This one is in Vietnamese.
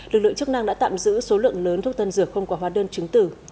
lực lượng chức năng đã tạm giữ số lượng lớn thuốc tân dược không có hóa đơn chứng tử